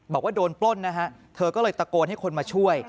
บอกว่าโดนปล้นนะฮะเธอก็เลยตะโกนให้คนมาช่วย